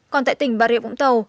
còn tại tỉnh bà rịa vũng tàu